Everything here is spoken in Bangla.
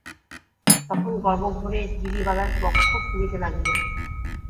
তখন গর্বভরে গিরিবালার বক্ষ ফুলিতে লাগিল।